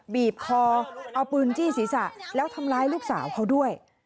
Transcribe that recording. บีบคอเอาปืนจี้ศีรษะแล้วทำร้ายลูกสาวเขาด้วย